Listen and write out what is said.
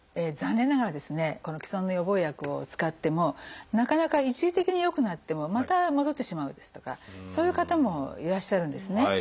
残念ながらですねこの既存の予防薬を使ってもなかなか一時的に良くなってもまた戻ってしまうですとかそういう方もいらっしゃるんですね。